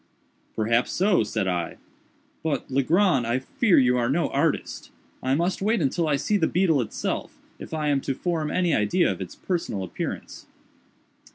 "Perhaps so," said I; "but, Legrand, I fear you are no artist. I must wait until I see the beetle itself, if I am to form any idea of its personal appearance."